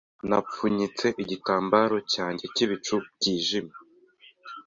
Napfunyitse igitambaro cyanjye cyibicu byijimye